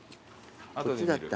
こっちだった。